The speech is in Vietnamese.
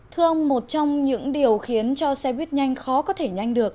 thưa ông một trong những điều khiến cho xe buýt nhanh khó có thể nhanh được